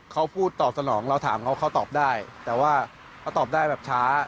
เขาพูดตอบสนองเราถามเขาเขาตอบได้แต่ว่าเขาตอบได้แบบช้า